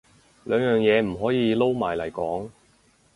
兩樣嘢唔可以撈埋嚟講